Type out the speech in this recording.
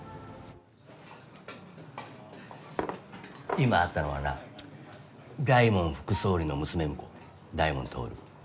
今会ったのはな大門副総理の娘婿大門亨。